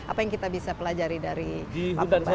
apa yang kita bisa pelajari dari panggung barat